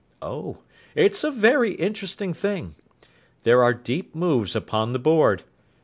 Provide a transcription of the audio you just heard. Oh! it's a very interesting thing. There are deep moves upon the board.